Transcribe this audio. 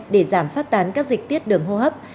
để giảm phát tán các dịch tiết đường hô hấp